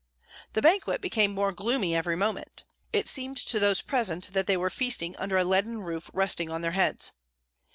The banquet became more gloomy every moment. It seemed to those present that they were feasting under a leaden roof resting on their heads.